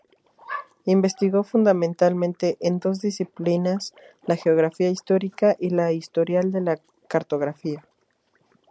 Investigó fundamentalmente en dos disciplinas, la Geografía Histórica y la Historia de la Cartografía.